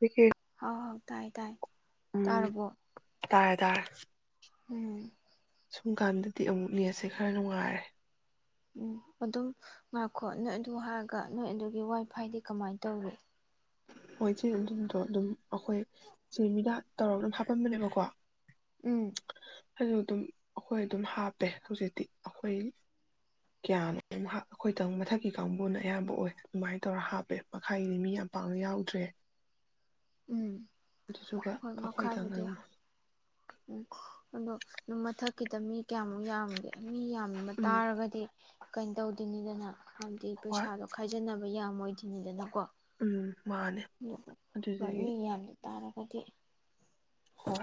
ꯀꯩ ꯍꯥꯎ ꯍꯥꯎ ꯇꯥꯏ ꯇꯥꯏ ꯎꯝ ꯇꯥꯔꯕꯣ ꯇꯥꯔꯦ ꯇꯥꯔꯦ ꯎꯝ ꯑꯁꯨꯝ ꯀꯥꯟꯗꯗꯤ ꯑꯃꯨꯛꯅꯦꯁꯦ ꯈꯔ ꯅꯨꯡꯉꯥꯏꯔꯦ ꯎꯝ ꯑꯗꯨꯝ ꯉꯥꯛꯈꯣ ꯅꯣꯏ ꯑꯗꯨ ꯍꯥꯏꯔꯒ ꯅꯣꯏ ꯑꯗꯨꯒꯤ ꯋꯥꯏ ꯐꯥꯏꯗꯤ ꯀꯃꯥꯏ ꯇꯧꯏ ꯍꯣꯏ ꯏꯆꯦ ꯑꯗꯨꯗꯣ ꯑꯗꯨꯝ ꯑꯩꯈꯣꯏ ꯆꯦ ꯃꯤꯗ ꯇꯧꯔꯞꯅꯕ ꯍꯥꯞꯄꯝꯕꯅꯦꯕꯀꯣ ꯎꯝ ꯑꯗꯨ ꯑꯗꯨꯝ ꯑꯩꯈꯣꯏ ꯑꯗꯨꯝ ꯍꯥꯞꯄꯦ ꯍꯧꯖꯤꯛꯇꯤ ꯑꯩꯈꯣꯏ ꯀꯌꯥꯅꯣ ꯑꯩꯈꯣꯏꯗꯪ ꯃꯊꯛꯀꯤ ꯀꯥꯡꯕꯨꯅ ꯑꯌꯥꯝꯕ ꯑꯣꯏ ꯑꯗꯨꯃꯥꯏꯅ ꯇꯧꯔ ꯍꯥꯞꯄꯦ ꯃꯈꯥꯏꯒꯤꯗꯤ ꯃꯤ ꯌꯥꯝ ꯄꯥꯛꯅ ꯌꯥꯎꯗꯦ ꯔꯤ ꯎꯝ ꯑꯗꯨꯗꯨꯒ ꯍꯣꯏ ꯑꯩꯈꯣꯏꯗ ꯉ ꯃꯈꯥꯕꯨꯗꯤ ꯎꯝ ꯑꯗꯣ ꯑꯗꯨꯝ ꯃꯊꯛꯀꯤꯗ ꯃꯤ ꯀꯌꯥꯃꯨꯛ ꯌꯥꯝꯒꯦ ꯃꯤ ꯌꯥꯝꯕ ꯎꯝ ꯇꯥꯔꯒꯗꯤ ꯀꯩꯅ ꯇꯧꯗꯣꯏꯅꯤꯗꯅ ꯑꯝꯗꯤ ꯍꯣꯏ ꯄꯩꯁꯥꯗꯣ ꯈꯥꯏꯖꯕ ꯌꯥꯝꯃꯣꯏ ꯊꯤꯅꯤꯗꯅꯀꯣ ꯎꯝ ꯃꯥꯅꯦ ꯍꯣꯏ ꯑꯗꯨꯗꯒꯤ ꯃꯤ ꯌꯥꯝꯗ ꯇꯥꯔꯒꯗꯤ ꯍ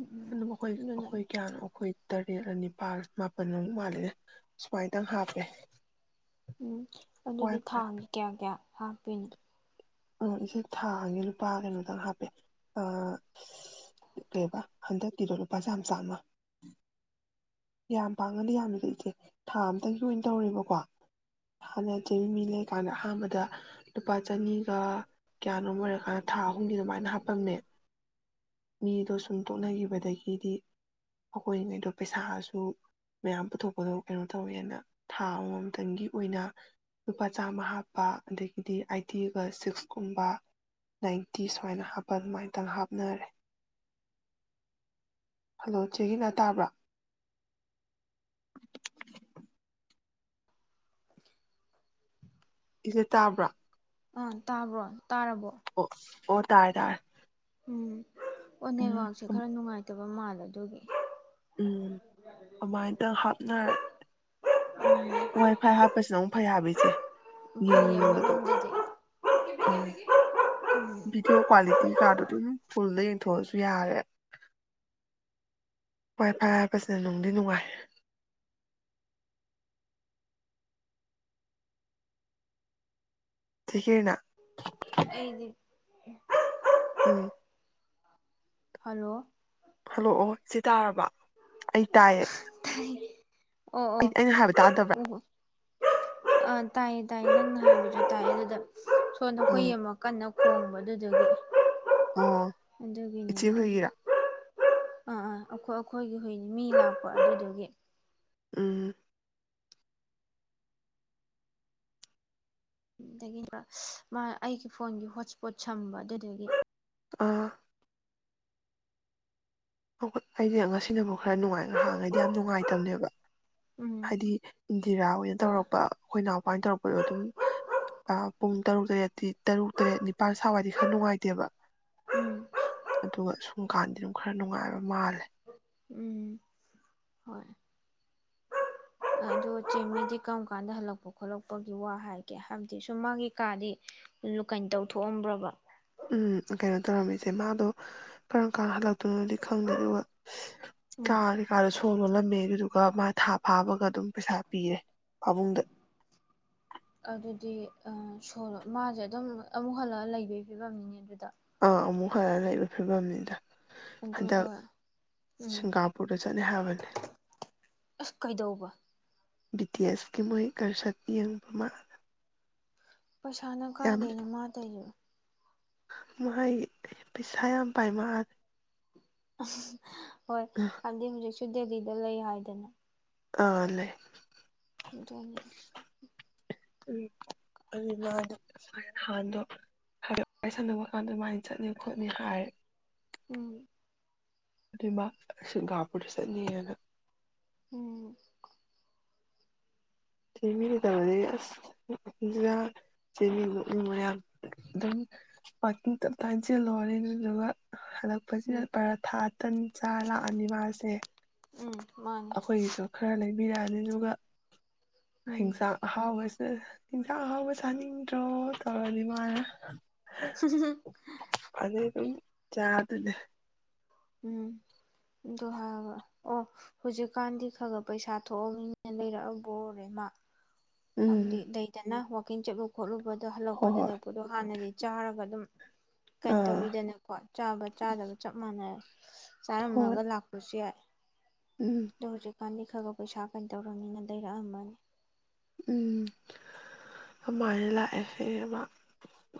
ꯎꯝ ꯎꯝ ꯑꯗꯨꯝ ꯑꯩꯈꯣꯏ ꯑꯗꯨꯅ ꯑꯩꯈꯣꯏ ꯀꯌꯥꯅꯣ ꯑꯩꯈꯣꯏ ꯇꯔꯦꯠ ꯑꯅꯤꯄꯥꯜ ꯃꯥꯄꯜꯃꯨꯛ ꯃꯥꯂꯦꯅꯦ ꯁꯨꯃꯥꯏꯇꯪ ꯍꯥꯞꯄꯦ ꯎꯝ ꯋꯥꯏ ꯑꯗꯨꯗꯤ ꯊꯥꯡꯒꯤꯦ ꯀꯌꯥ ꯀꯌꯥ ꯍꯥꯞꯄꯤꯅꯤ ꯑꯣ ꯏꯆꯦ ꯊꯥꯉ ꯂꯨꯄꯥ ꯀꯩꯅꯣꯗꯪ ꯍꯥꯞꯄꯦ ꯑ ꯀꯩꯕ ꯍꯟꯗꯛꯇꯀꯤꯗꯣ ꯂꯨꯄꯥ ꯆꯥꯝ ꯆꯥꯝꯃ ꯌꯥꯝ ꯄꯥꯡꯉꯗꯤ ꯌꯥꯝꯃꯤꯗ ꯏꯆꯦ ꯊꯥ ꯑꯃꯝꯇꯪ ꯑꯣꯏꯅ ꯇꯧꯔꯦꯕꯀꯣ ꯍꯥꯟꯅ ꯆꯍꯤ ꯃꯤ ꯂꯩꯀꯥꯟꯗ ꯑꯍꯥꯟꯕꯗ ꯂꯨꯄꯥ ꯆꯅꯤ ꯀ ꯀꯌꯥꯅꯣꯝ ꯑꯣꯏꯔꯀꯥꯟꯗ ꯊꯥ ꯑꯍꯨꯝꯒꯤ ꯑꯗꯨꯃꯥꯏꯅ ꯍꯥꯞꯄꯝꯅꯦ ꯃꯤꯗꯣ ꯁꯨꯝ ꯇ ꯊꯣꯛꯅꯈꯤꯕꯗꯒꯤꯗꯤ ꯑꯩꯈꯣꯏꯉꯩꯗꯣ ꯄꯩꯁꯥꯁꯨ ꯃꯌꯥꯝ ꯄꯨꯊꯣꯛꯄꯗꯣ ꯀꯩꯅꯣ ꯇꯧꯋꯦꯅ ꯊꯥ ꯑꯃꯃꯝꯇꯪꯒꯤ ꯑꯣꯏꯅ ꯂꯨꯄꯥ ꯆꯥꯝꯃ ꯍꯥꯞꯄ ꯑꯗꯒꯤꯗꯤ ꯑꯥꯏꯇꯤ ꯁꯤꯛꯁꯀꯨꯝ ꯅꯥꯏꯟꯇꯤ ꯁꯨꯃꯥꯏꯅ ꯍꯥꯞ ꯑꯗꯨꯃꯥꯏꯇꯪ ꯍꯥꯞꯅꯔꯦ ꯍꯜꯂꯣ ꯆꯦꯒꯤꯅ ꯇꯥꯕ꯭ꯔꯥ [unintelligible] ꯏꯁꯦ ꯇꯥꯕ꯭ꯔꯥ ꯑꯥ ꯇꯥꯕ꯭ꯔꯣ ꯇꯥꯔꯕꯣ ꯑꯣ ꯑꯣ ꯇꯥꯔꯦ ꯇꯔꯦ ꯎꯝ ꯑꯣ ꯅꯦꯠꯋꯥꯛꯁꯦ ꯈꯔ ꯅꯨꯡꯉꯥꯏꯇ ꯂꯩꯇꯕ ꯃꯥꯜꯂ ꯑꯗꯨꯒꯤ ꯎꯝ ꯑꯗꯨꯃꯥꯏꯇꯪ ꯍꯥꯞꯅꯔ ꯋꯥꯏ ꯐꯥꯏ ꯍꯥꯞꯄꯁꯤꯅ ꯑꯃꯨꯛ ꯐꯩ ꯍꯥꯏ ꯦ ꯐꯩꯌꯦ ꯌꯦꯡꯅꯤꯡꯕꯗꯣ ꯑꯃꯔꯣꯝꯗꯗꯤ ꯑ ꯚꯤꯗꯤꯑꯣ ꯀ꯭ꯋꯥꯂꯤꯇꯤ ꯀꯥꯔꯗ ꯑꯗꯨꯝ ꯐꯨꯜꯗ ꯌꯦꯡ ꯄꯨꯊꯣꯛꯑꯁꯨ ꯌꯥꯔꯦ ꯍꯣꯏ ꯐꯥꯏ ꯍꯥꯏꯕꯁꯤꯅ ꯅꯨꯡꯗꯤ ꯅꯨꯡꯉꯥꯏ ꯊꯀꯦꯅ ꯑꯩꯗꯤ ꯎꯝ ꯍꯜꯂꯣ ꯍꯜꯂꯣꯑꯣ ꯁꯤ ꯇꯥꯔꯕ ꯑꯩ ꯇꯥꯏꯌꯦ ꯇꯥꯏ ꯑꯩꯅ ꯍꯥꯏꯕ ꯇꯥꯗꯕ꯭ꯔꯥ ꯑ ꯇꯥꯏꯌꯦ ꯇꯥꯏꯌꯦ ꯅꯪꯅ ꯍꯥꯏꯕꯁꯨ ꯇꯥꯏꯌꯦ ꯑꯗꯨꯗ ꯁꯣꯅ ꯍꯨꯏ ꯎꯝ ꯑꯃ ꯀꯟꯅ ꯈꯣꯡꯕꯅ ꯑꯗꯨꯗꯒ ꯑꯣ ꯏꯆꯦ ꯑꯒꯅꯤꯗ ꯍꯣꯏꯒꯤꯔꯥ ꯑ ꯑ ꯑꯩꯈꯣꯏ ꯑꯩꯈꯣꯏꯒꯤ ꯍꯨ ꯃꯤ ꯂꯥꯛꯄ ꯑꯗꯨꯗꯨꯒꯤ ꯎꯝ ꯑꯗꯒꯤ ꯃꯥ ꯑꯩꯒꯤ ꯐꯣꯟꯒꯤ ꯍꯣꯠ ꯏꯁꯄꯣꯠ ꯁꯝꯕ ꯑꯗꯨꯗꯒꯤ ꯑꯥ ꯣꯏ ꯑꯩꯗꯤ ꯉꯁꯤꯅꯕꯨ ꯈꯔ ꯅꯨꯡꯉꯥꯏꯅ ꯍꯥꯡꯉꯩꯗꯤ ꯌꯥꯝ ꯅꯨꯡꯉꯥꯏꯇꯕꯅꯦꯕ ꯎꯝ ꯍꯥꯏꯗꯤ ꯏꯟꯗꯤꯔꯥ ꯑꯣꯏꯅ ꯍꯣꯏ ꯇꯧꯔꯛꯄ ꯑꯩꯈꯣꯏ ꯏꯅꯥꯎꯄꯥꯅ ꯇꯧꯔꯛꯄꯗꯣ ꯑꯗꯨꯝ ꯄꯨꯡ ꯇꯔꯨꯛ ꯇꯔꯦꯠꯇꯤ ꯇꯔꯨꯛ ꯇꯔꯦꯠ ꯅꯤꯄꯥꯜ ꯁꯋꯥꯏꯗꯤ ꯈꯔ ꯅꯨꯡꯉꯥꯏꯇꯦꯕ ꯎꯝ ꯑꯗꯨꯒ ꯁꯨꯝ ꯀꯥꯟꯗꯤ ꯑꯗꯨꯝ ꯈꯔ ꯅꯨꯡꯉꯥꯏꯕ ꯃꯥꯜꯂꯦ ꯎꯝ ꯍꯣꯏ ꯄꯣꯠꯆꯦ ꯃꯤꯗꯤ ꯀꯔꯝ ꯀꯥꯟꯗ ꯍꯜꯂꯛꯄ ꯈꯣꯠꯂꯛꯄꯒꯤ ꯋꯥ ꯍꯥꯏꯒꯦ ꯍꯥꯏꯕꯗꯤ ꯁꯨꯝ ꯃꯥꯒꯤ ꯀꯥꯗꯤ ꯀꯩꯅ ꯇꯧꯊꯣꯛꯑꯝꯕ꯭ꯔꯕ ꯎꯝ ꯀꯩꯅꯣ ꯇꯧꯔꯝꯃꯤꯁꯦ ꯃꯥꯗꯣ ꯀꯔꯝ ꯀꯥꯟꯅ ꯍꯜꯂꯛꯇꯣꯏꯅꯣꯗꯤ ꯈꯪꯗꯦ ꯑꯗꯨꯒ ꯎꯝ ꯀꯥꯔꯦ ꯀꯥꯔ ꯁꯣꯜꯒꯣꯂ ꯃꯦ ꯑꯗꯨꯒ ꯃꯥ ꯊꯥ ꯐꯥꯕꯒ ꯑꯗꯨꯝ ꯄꯩꯁꯥ ꯄꯤꯔꯦ ꯄꯥꯃꯨꯡꯗ ꯑꯗꯨꯗꯤ ꯁ ꯃꯥꯁꯦ ꯑꯗꯨꯝ ꯑꯃꯨꯛ ꯍꯜꯂꯑ ꯂꯩꯕꯒꯤ ꯐꯤꯕꯝꯅꯤꯅꯦ ꯑꯗꯨꯗ ꯑꯥ ꯑꯃꯨꯛ ꯈꯔ ꯂꯩꯕ ꯐꯤꯕꯝꯅꯤꯗ ꯍꯟꯗꯛ ꯑꯗꯨꯒ ꯎꯝ ꯁꯤꯡꯒꯥꯄꯨꯔꯗ ꯆꯠꯅ ꯍꯥꯏꯔꯕꯅꯤ ꯑꯁ ꯀꯩꯗꯧꯕ ꯕꯤ ꯇꯤ ꯑꯦꯁꯀꯤ ꯃꯣꯏ ꯀꯔꯁꯠ ꯃꯤ ꯌꯦꯡꯕꯃꯥ ꯄꯩꯁꯥꯅ ꯀꯥꯏꯗꯦꯅꯦ ꯃꯥꯗꯁꯨ ꯃꯥꯥꯏ ꯄꯁꯥꯏ ꯌꯥꯝ ꯄꯥꯏꯃꯥ [unintelligible] ꯍꯣꯏ ꯈꯗꯤ ꯍꯧꯖꯤꯛ ꯁ ꯗꯦꯜꯂꯤꯗ ꯂꯩ ꯍꯥꯏꯗꯅ ꯑꯥ ꯂꯩꯦ ꯑꯗꯨꯅꯤ ꯎ ꯑꯗꯨ ꯃꯥꯗꯣ ꯁꯃꯥꯏꯅ ꯍꯍꯥꯟꯗꯣꯗ ꯁꯝꯗꯄ ꯀꯥꯟꯗ ꯑꯗꯨꯃꯥꯏꯅ ꯆꯠꯅꯤ ꯈꯣꯠꯅꯤ ꯍꯥꯏꯔꯦ ꯎꯝ ꯑꯗꯨ ꯃꯥ ꯑꯁꯤ ꯒꯥꯕꯨꯨꯔ ꯆꯅꯤ ꯍꯥꯏꯅ ꯎꯝ ꯊꯤꯚꯤ ꯂꯩ ꯇꯔꯗꯤ ꯑꯁ ꯆꯦꯃꯤ ꯂꯣꯛꯃꯤ ꯃꯌꯥꯝ ꯑꯗꯨꯝ ꯄꯀꯤꯡ ꯇꯞ ꯇꯁꯤꯜꯂꯣꯔꯦ ꯑꯗꯨꯗꯨꯒ ꯍꯟꯂꯛꯄꯁꯤꯗ ꯎꯝ ꯄꯔꯥ ꯊꯥ ꯇꯟ ꯆꯥꯔ ꯂꯥꯛꯑꯅꯤ ꯃꯥꯁꯦ ꯎꯝ ꯃꯥꯅꯤ ꯑꯩꯈꯣꯏꯁꯨ ꯈꯔ ꯂꯩꯦ ꯕꯤꯔꯌꯥꯅꯤꯗꯨꯒ ꯎꯝ ꯍꯁꯥ ꯍꯥꯎꯁ ꯌꯦꯟꯖꯥꯡ ꯍꯥꯎꯕ ꯆꯥꯅꯤꯡꯗ꯭ꯔꯣ ꯇꯧꯔꯅꯤ ꯃꯥꯅ ꯐ ꯎ ꯆꯥ ꯑꯗꯨꯅꯦ ꯎꯝ ꯑꯗꯨ ꯍꯥꯏ ꯑꯣ ꯍꯧꯖꯤꯛꯀꯥꯟꯗꯤ ꯈꯔ ꯈꯔ ꯄꯩꯁꯥ ꯊꯣꯛꯑꯅꯤꯅꯤꯅ ꯂꯩꯔꯛꯑꯕ ꯑꯣꯏꯣꯔꯦ ꯃꯥ ꯎꯝ ꯍꯗꯤ ꯗꯩꯇꯅ ꯍ ꯀ ꯆꯦꯕꯨꯣꯂꯕ ꯑꯗꯣ ꯍꯣꯏ ꯍꯣꯏ ꯍꯜꯂꯛꯄꯗꯠꯂꯛꯄꯗꯣ ꯍꯥꯟꯅꯗꯤ ꯆꯥꯔꯒ ꯑꯗꯨꯝ ꯀꯩꯅ ꯑꯥ ꯇꯧꯕꯤꯗꯅꯀꯣ ꯆꯥꯕ ꯆꯥꯗꯕ ꯆꯞ ꯃꯥꯟꯅꯔꯦ ꯍꯣꯏ ꯆꯥꯔꯝꯃꯒ ꯂꯥꯛꯄꯁꯨ ꯌꯥꯏ ꯎꯝ ꯀꯥꯟꯗꯤ ꯈꯔ ꯈ ꯄꯩꯁꯥ ꯀꯩꯅ ꯇꯧꯔꯕꯅꯤꯅ ꯂꯩꯔꯛꯑꯃꯅꯤ ꯎꯝ ꯑꯗꯨꯃꯥꯏꯅ ꯂꯥꯛꯑꯦꯁꯦꯕ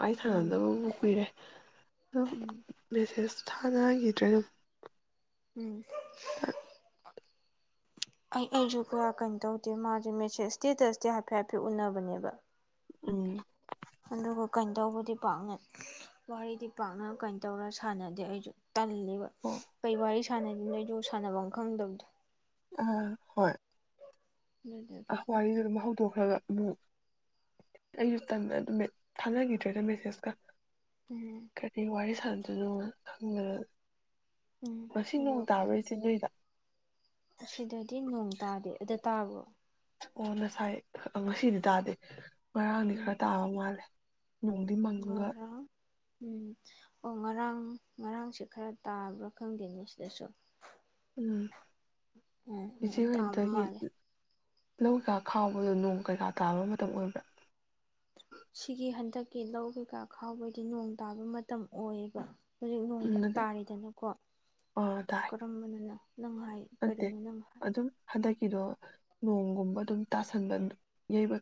ꯑꯩ ꯎꯝ ꯁꯥꯟꯅꯗꯕ ꯀꯨꯏꯔꯦ ꯎꯝ ꯕꯤꯁꯦꯁ ꯊꯥꯅꯈꯤꯗ꯭ꯔꯦ ꯑꯗꯨꯝ ꯎꯝ ꯊ ꯑꯩ ꯑꯩꯁꯨ ꯀꯌꯥ ꯀꯩꯅꯣ ꯇꯧꯗꯦ ꯃꯥꯁꯦ ꯃꯦꯦ ꯏꯁꯇꯦꯇꯁꯇꯤ ꯍꯥꯏꯐꯦꯠ ꯍꯥꯏꯐꯦꯠ ꯎꯅꯕꯅꯦꯕ ꯎꯝ ꯑꯗꯨꯒ ꯀꯩꯅꯣ ꯇꯧꯕꯗꯤ ꯄꯥꯛꯅ ꯋꯥꯔꯤꯗꯤ ꯄꯥꯛꯅ ꯀꯩꯅ ꯇꯧꯔ ꯁꯥꯟꯅꯗꯦ ꯑꯩꯁꯨ ꯇꯜꯂꯦꯕ ꯍꯣꯏ ꯀꯩ ꯋꯥꯔꯤ ꯁꯥꯟꯅꯗ ꯅꯩꯗꯣ ꯁꯥꯟꯅꯕ ꯑꯃ ꯈꯪꯗꯕꯗꯣ ꯑ ꯍꯣꯏ ꯑꯗꯨꯗꯒꯤ ꯑꯍ ꯋꯥꯔꯤꯏ ꯑꯗꯨꯔꯝ ꯍꯧꯗꯣꯛ ꯈꯔꯒ ꯑꯃꯨꯛ ꯑꯩꯁꯨ ꯇꯝ ꯑꯗꯨꯝ ꯊꯥꯅꯈꯤꯗ꯭ꯔꯦꯗ ꯃꯦꯁꯦꯖꯀ ꯎꯝ ꯀꯔꯤ ꯋꯥꯔꯤꯏ ꯑꯗꯨꯗꯨ ꯈꯪꯅꯔꯦ ꯎꯝ ꯉ ꯅꯣꯡ ꯑꯗꯨꯒ ꯇꯥꯕꯣꯏ ꯆꯦ ꯅꯣꯏꯗ ꯁꯤꯗꯗꯤ ꯅꯣꯡ ꯇꯥꯗꯦ ꯑꯗ ꯇꯥꯕ꯭ꯔꯣ ꯑꯣ ꯉꯁꯥꯏ ꯉꯁꯤꯗꯤ ꯇꯥꯗꯦ ꯉꯔꯥꯡꯗꯤ ꯎꯝ ꯈꯔ ꯇꯥꯕ ꯃꯥꯜꯂꯦ ꯅꯣꯡꯗꯤ ꯃꯪꯉꯒ ꯉꯔꯥꯡ ꯎꯝ ꯑꯣ ꯉꯔꯥꯡ ꯉꯔꯥꯡꯁꯦ ꯈꯔ ꯇꯥꯕ꯭ꯔꯥ ꯈꯪꯗꯦꯅꯦ ꯁꯤꯗꯁꯨ ꯎꯝ ꯎꯝ ꯎꯝ ꯇꯥꯕ ꯏꯖꯤꯚꯦꯟꯇꯒꯤ ꯃꯥꯜꯂꯦ ꯂꯧ ꯀꯩꯀꯥ ꯈꯥꯎꯕꯗꯣ ꯅꯣꯡ ꯀꯩꯀꯥ ꯇꯥꯕ ꯃꯇꯝ ꯑꯣꯏꯕ꯭ꯔꯥ ꯁꯤꯒꯤ ꯍꯟꯗꯛꯀꯤ ꯂꯧ ꯀꯩꯀꯥ ꯈꯥꯎꯕꯒꯤ ꯅꯣꯡ ꯇꯥꯕ ꯃꯇꯝ ꯑꯣꯏꯌꯦꯕ ꯍꯧꯖꯤꯛ ꯅꯣꯡꯃ ꯎꯝ ꯇꯥꯔꯤꯗꯅꯀꯣ ꯑꯥ ꯇꯥꯏ ꯀꯔꯝꯕꯅꯅ ꯅꯠꯇꯦ ꯑꯗꯨꯝ ꯍꯟꯗꯛꯀꯤ ꯀꯗꯣ ꯅꯣꯡꯒꯨꯝꯕ ꯑꯗꯨꯝ ꯇꯥꯁꯟꯕ ꯌꯩꯕ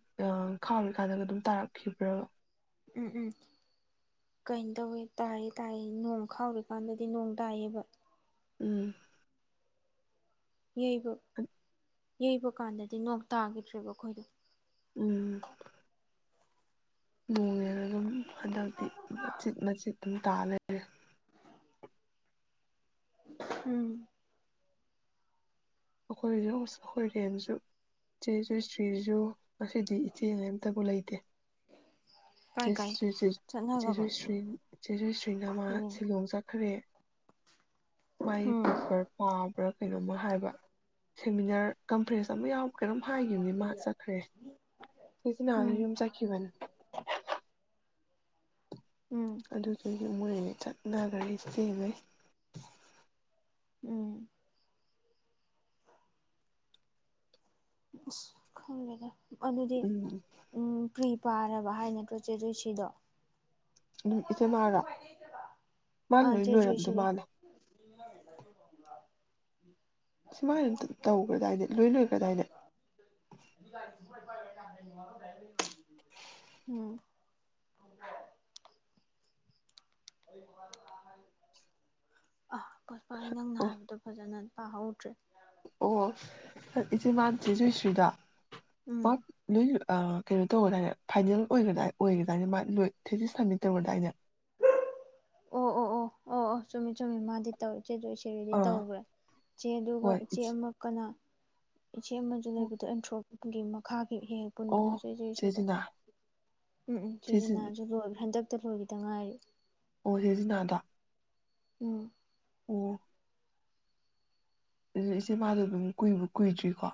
ꯈꯥꯎꯔꯤꯀꯥꯟꯗꯒ ꯑꯗꯨꯝ ꯇꯥꯔꯛꯈꯤꯕ꯭ꯔꯕ ꯎꯝ ꯎꯝ ꯀꯩꯅ ꯇꯧꯋꯦ ꯇꯥꯏꯌꯦ ꯇꯥꯏꯌꯦ ꯅꯣꯡ ꯈꯥꯎꯔꯤꯀꯥꯟꯗꯗꯤ ꯅꯣꯡ ꯇꯥꯏꯌꯦꯕ ꯎꯝ ꯌꯩꯕ ꯌꯩꯕ ꯀꯥꯟꯗꯗꯤ ꯅꯣꯡ ꯇꯥꯈꯤꯗ꯭ꯔꯦꯕ ꯑꯩꯈꯣꯏꯗꯣ ꯎꯝ ꯅꯣꯡꯡꯂꯦꯒ ꯑꯗꯨꯝ ꯍꯟꯗꯛꯇꯤ ꯃꯆꯤꯠ ꯃꯆꯤꯠ ꯇꯥꯂꯦ ꯎꯝ ꯑꯩꯈꯣꯏꯁꯨ ꯑꯩꯈꯣꯏꯔꯦꯟꯁꯨ ꯏꯆꯦꯁꯨ ꯏꯁꯇ꯭ꯔꯤꯁꯨ ꯉꯁꯤꯗꯤ ꯏꯆꯦ ꯑꯝꯇꯕꯨ ꯂꯩꯇꯦ ꯀꯥꯏ ꯀꯥꯏ ꯆꯠꯅꯈ꯭ꯔꯕ ꯦꯣꯏ ꯑꯗꯨꯅꯤ ꯁ꯭ꯔꯤ ꯁꯦꯖꯣꯏ ꯁ꯭ꯔꯤ ꯅꯃꯥ ꯎꯝ ꯁꯤꯂꯣꯡ ꯆꯠꯈ꯭ꯔꯦ ꯃꯩ ꯄꯦꯄꯔ ꯄꯥꯕꯔꯛ ꯀꯩꯅꯣꯝꯃ ꯍꯥꯏꯕ ꯁꯦꯃꯤꯅꯥꯔ ꯀꯟꯐ꯭ꯔꯦꯟꯁ ꯑꯃ ꯌꯥꯎ ꯀꯩꯅꯝ ꯍꯥꯏꯈꯤꯕꯅꯤ ꯃꯥ ꯆꯠꯈ꯭ꯔꯦ ꯁꯤꯁꯤ ꯅꯍꯅ ꯎꯝ ꯌꯨꯝ ꯆꯠꯈꯤꯕꯅꯦ ꯎꯝ ꯑꯗꯨꯗꯤꯦ ꯌ ꯃꯣꯏꯅ ꯆꯠꯅꯈ꯭ꯔꯦ ꯆꯦꯉꯩ ꯎꯝ ꯈꯪꯒꯗ ꯑꯗ ꯎꯝ ꯄꯔꯤ ꯄꯥꯔꯕ ꯍꯥꯏꯅꯠꯇ꯭ꯔꯣꯠ ꯆꯦꯗꯣꯏ ꯁꯤꯗꯣ ꯑꯗꯨꯝ ꯏꯆꯦ ꯃꯥꯜꯂꯣ ꯃꯥꯂ ꯑꯥ ꯂꯣꯏ ꯆꯦ ꯂꯣꯏꯔꯝꯗꯣꯏ ꯖꯣꯏꯁꯤꯗꯤ ꯃꯥꯜꯂꯦ [unintelligible] ꯁꯨꯃꯥꯏꯅ ꯇꯧꯈ꯭ꯔꯗꯥꯏꯅꯦ ꯂꯣꯏ ꯂꯣꯏꯈ꯭ꯔꯗꯥꯏꯅꯦ ꯎꯝ ꯑ ꯄꯣꯠꯄꯥꯏ ꯅꯪꯅ ꯑꯣ ꯍꯥꯏꯕꯗꯣ ꯐꯖꯅ ꯄ ꯍꯧꯗ꯭ꯔꯦ ꯑꯣ ꯏꯆꯦ ꯃꯁꯦ ꯁꯣꯏꯁ꯭ꯔꯤꯗ ꯎꯝ ꯑꯞ ꯂꯩ ꯀꯩꯅꯣ ꯇꯧꯒꯗꯥꯅꯦ ꯐꯥꯏꯅꯦꯜ ꯑꯣꯏ ꯑꯣꯏꯒꯗꯥꯏꯅꯦ ꯃꯥ ꯂꯣꯏ ꯊꯦꯖꯤꯁ ꯊꯃꯤ ꯇꯧꯔꯗꯥꯏꯅꯦ ꯑꯣ ꯑꯣ ꯑꯣ ꯑꯣ ꯑꯣ ꯆꯨꯝꯃꯤ ꯆꯨꯝꯃꯤ ꯃꯥꯗꯤ ꯇꯧꯔꯤ ꯆꯦꯗꯣꯏꯁꯦꯔꯗꯤ ꯑꯥ ꯇꯧꯈ꯭ꯔꯦ ꯏꯆꯦ ꯑꯗꯨꯒ ꯏꯆꯦ ꯑꯃꯛ ꯀꯅ ꯏꯆꯦ ꯑꯃꯁꯨ ꯂꯩꯕꯗꯣ ꯑꯦꯟꯊ꯭ꯔꯣ ꯃꯈꯥ ꯍꯦꯛ ꯍꯦꯛ ꯑꯣ ꯄꯨꯟꯕꯗꯨꯁꯨꯆꯦ ꯆꯦ ꯁꯤꯗ ꯖꯤꯅꯥ ꯎꯝ ꯎꯝ ꯆꯦ ꯖꯤ ꯁꯤꯁꯤꯅꯁꯨ ꯂꯣꯏꯕ꯭ꯔ ꯍꯟꯗꯛ ꯠꯇ ꯂꯣꯏꯒꯤꯗ ꯉꯥꯏꯔꯤ ꯁꯤ ꯅꯅꯥꯗ ꯎꯝ ꯑꯗꯨ ꯏꯆꯦ ꯃꯥꯗꯣ ꯑꯗꯨꯝ ꯀꯏ ꯀꯨꯏꯗ꯭ꯔꯤꯀꯣ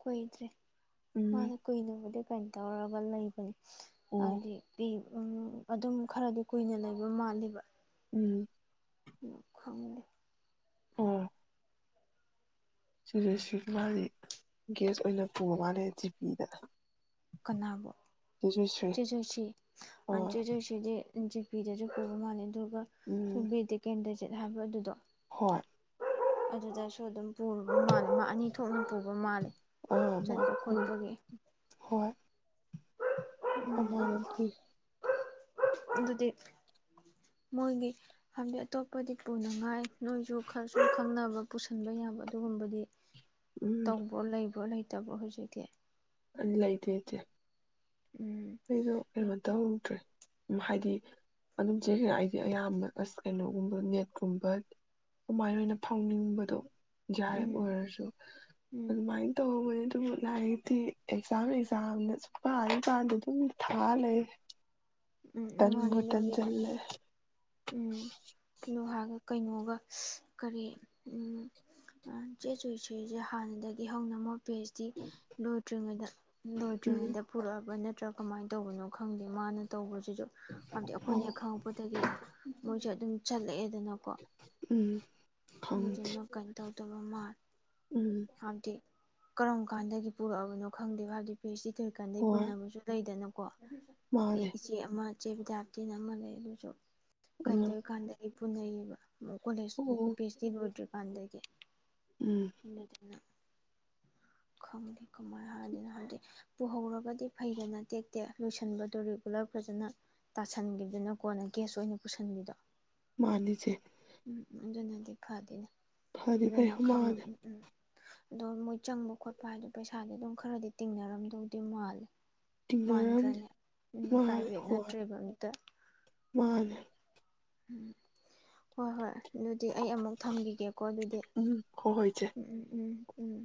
ꯀꯣꯏꯗ꯭ꯔꯦ ꯎꯝ ꯃꯥꯅꯦ ꯀꯣꯏꯅꯦ ꯀꯩꯅꯅ ꯇꯧꯔꯕꯜ ꯂꯩꯕꯅꯦ ꯑꯣ ꯑꯗꯤ ꯐ ꯎꯝ ꯑꯗꯨꯝ ꯈꯔꯗꯤ ꯀꯨꯏꯅ ꯂꯩꯕ ꯃꯥꯜꯂꯤꯕ ꯎꯝ ꯂ ꯐꯪꯅꯦ ꯁꯤꯁ ꯁꯤ ꯃꯥꯁꯤ ꯒꯦꯁ ꯑꯣꯏꯅ ꯄꯨꯕ ꯃꯥꯜꯂꯦ ꯖꯤ ꯄꯤꯗ ꯀꯅꯥꯕꯨ ꯆꯦꯖꯨ ꯁꯤ ꯑꯥ ꯆꯦꯖꯨꯁꯤꯗꯤ ꯖꯤ ꯄꯤꯗꯔꯁꯨ ꯀꯔꯣ ꯃꯥꯜꯦ ꯎꯝ ꯁꯕꯤꯗ ꯀꯦꯟꯗ ꯦꯠ ꯍꯥꯏꯕ ꯑꯗꯨꯗꯣ ꯍꯣꯏ ꯑꯗꯨꯗꯁꯨꯣ ꯑꯗꯨꯝ ꯄꯕ ꯃꯥ ꯑꯃ ꯑꯅꯤ ꯊꯣꯛꯅ ꯄꯨꯕ ꯃꯥꯜꯂꯦ ꯑꯥ ꯆꯠꯄ ꯃꯥꯄꯨ ꯈꯣꯠꯄꯒꯤ ꯍꯣꯏ ꯑꯗꯨꯃꯥꯏꯅ ꯄꯤ ꯎꯝ ꯑꯗꯨꯗꯤ ꯃꯣꯏꯒꯤ ꯍꯥꯏꯕꯗꯤ ꯑꯇꯣꯞꯄꯗꯤ ꯄꯨꯅꯉꯥꯏ ꯅꯣꯏꯁꯨ ꯈꯔꯁꯨꯨꯝ ꯈꯪꯅꯕ ꯄꯨꯁꯟꯕ ꯌꯥꯕ ꯑꯗꯨꯒꯨꯝꯕꯗꯤ ꯎꯝ ꯇꯧꯕ ꯂꯩꯕ꯭ꯔ ꯂꯩꯇꯦ ꯇꯕ ꯍꯧꯁꯨꯒꯦ ꯑꯂꯥꯏꯇ ꯑꯇꯦ ꯎꯝ ꯑꯩꯗꯣ ꯀꯩꯅꯣꯝꯇ ꯍꯧꯗ꯭ꯔꯦ ꯍꯥꯏꯗꯤ ꯑꯗꯨꯝ ꯆꯈ ꯑꯩꯗꯤ ꯑꯌꯥꯝꯕ ꯑꯁ ꯀꯩꯅꯣꯒꯨꯝꯕ ꯅꯦꯠꯀꯨꯝꯕ ꯀꯃꯥꯏꯅ ꯑꯣꯏꯅ ꯐꯥꯎꯅꯤꯡꯕꯗꯣ ꯌꯥꯖꯥꯏꯞ ꯎꯝ ꯑꯣꯏꯔꯁꯨ ꯎꯝ ꯑꯗꯨꯃꯥꯏꯅ ꯇꯧꯧꯕꯅꯤ ꯑꯗꯨ ꯂꯥꯏꯔꯤꯛꯇꯤ ꯑꯦꯛꯖꯥꯝ ꯑꯦꯛꯖꯥꯝꯅꯁꯨ ꯄꯥꯔꯦ ꯄꯥꯗꯗ ꯎ ꯊꯥ ꯂꯩ ꯎꯝ ꯃꯥꯅ ꯇꯟꯕꯨ ꯂꯧ ꯇꯟꯖꯜꯂꯦ ꯎꯝ ꯂꯍꯒ ꯀꯩꯅꯣꯒ ꯀꯔꯤ ꯆꯦ ꯆꯣꯏꯆꯣꯏꯔꯤꯁꯦ ꯍꯥꯟꯅꯗꯒꯤ ꯍꯧꯅꯃꯛ ꯄꯦꯁꯇꯤ ꯂꯣꯏꯇ꯭ꯔꯤꯉꯩꯗ ꯎꯝ ꯂꯣꯏꯗ꯭ꯔꯤꯉꯩꯗ ꯄꯨꯔꯛꯑꯕ ꯅꯠꯇ꯭ꯔ ꯀꯃꯥꯏꯅ ꯇꯧꯕꯅꯣ ꯈꯪꯗꯦ ꯃꯥꯅ ꯇꯧꯕ ꯑꯗꯨꯁꯨ ꯍꯥꯏꯕꯗꯤ ꯑꯩꯈꯣꯏꯅ ꯑꯧ ꯍꯦꯛ ꯈꯪꯉꯛꯄꯗꯒꯤ ꯃꯣꯏꯁꯨꯦ ꯑꯗꯨꯝ ꯆꯠꯂꯑꯦ ꯅꯀꯣ ꯎꯝ ꯈꯪ ꯑꯗꯨꯅ ꯀꯃ ꯇꯧ ꯇꯕ ꯑꯃ ꯎꯝ ꯑ ꯊ ꯀꯔꯝ ꯀꯥꯟꯗꯒꯤ ꯄꯨꯔꯛꯑꯕꯅꯣ ꯈꯪꯗꯦꯕꯚꯗꯤ ꯄꯤꯁꯤ ꯑꯣꯏꯔꯤ ꯀꯥꯟꯗꯩ ꯍꯣꯏ ꯄꯨꯅꯕꯕꯨꯁꯨ ꯂꯩꯗꯅ ꯀ ꯃꯥꯅꯦ ꯏꯆꯦ ꯑꯃ ꯏ ꯎꯆꯆꯦ ꯕꯤꯗ꯭ꯌꯥꯇꯤꯅ ꯑꯃ ꯂꯩ ꯑꯗꯨꯁꯨ ꯑꯥ ꯀꯗ ꯀꯥꯟꯗ ꯄꯨꯅꯩꯌꯦꯕ ꯀꯣꯦꯖ ꯑꯣ ꯌ ꯄꯤ ꯑꯦꯆ ꯗꯤ ꯂꯗ꯭ꯔꯤ ꯄꯥꯟꯗꯒꯤ ꯎꯝ ꯍꯇ ꯈꯪꯗꯦ ꯀꯃꯥꯏꯅ ꯍꯥꯏꯗꯅꯣ ꯍꯥꯏꯕꯗꯤ ꯄꯨꯍꯧꯔꯒꯗꯤ ꯐꯩꯗꯅ ꯇꯦꯛꯇꯦ ꯂꯣꯏꯁꯤꯟꯕꯗꯣ ꯔꯤꯒꯨꯂꯔ ꯐꯖꯅ ꯇꯥꯁꯟꯒꯤꯗꯅꯀꯣꯅ ꯒꯦꯁ ꯑꯣꯏꯅ ꯄꯨꯁꯤꯟꯕꯤꯗꯣ ꯃꯥꯅꯤꯖꯦ ꯎꯝ ꯎꯝ ꯑꯗꯨꯅꯗꯤ ꯐꯗꯅꯦ ꯐꯗꯤ ꯐꯩ ꯑꯗꯨꯅ ꯈꯥ ꯃꯥꯅꯦ ꯎꯝ ꯑꯗꯣ ꯃꯣꯏ ꯆꯪꯃꯨꯛ ꯈꯣꯠꯄ ꯍꯥꯏꯗ ꯄꯩꯁꯥꯗꯤ ꯑꯗꯨꯝ ꯈꯔꯗꯤ ꯇꯤꯡꯅꯔꯝꯗꯧꯗꯤ ꯃꯥꯜꯂꯦ ꯇꯤꯡꯅꯔꯝꯅꯤ ꯃꯥꯟꯗ꯭ꯔꯅꯤ ꯃꯥꯅꯦ ꯄ꯭ꯔꯥꯏꯚꯦꯠ ꯍꯣꯏ ꯅꯠꯇ꯭ꯔꯦꯕ ꯃꯤꯠꯇ ꯃꯥꯅꯦ ꯑꯗꯨꯗꯒꯤ ꯎꯝ ꯍꯣꯏ ꯍꯣꯏ ꯑꯗꯨꯗꯤ ꯑꯩ ꯑꯃꯨꯛ ꯊꯝꯈꯤꯒꯦꯀꯣ ꯑꯗꯨꯗꯤ ꯎꯝ ꯍꯣꯏ ꯍꯣꯏ ꯏꯆꯦ ꯎꯝ ꯎꯝ ꯎꯝ ꯎꯝ